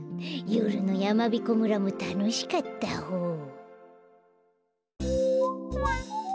よるのやまびこ村もたのしかったホー。